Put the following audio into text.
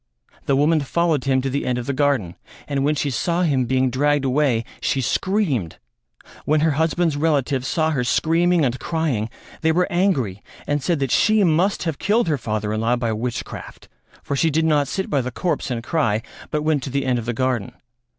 The woman followed him to the end of the garden and when she saw him being dragged away, she screamed. When her husband's relatives saw her screaming and crying they were angry and said that she must have killed her father in law by witchcraft, for she did not sit by the corpse and cry but went to the end of the garden.